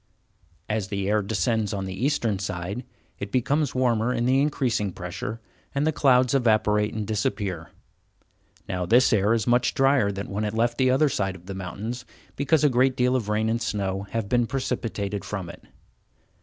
As the air descends on the eastern side it becomes warmer in the increasing pressure, and the clouds evaporate and disappear. Now this air is much drier than when it left the other side of the mountains, because a great deal of rain and snow have been precipitated from it.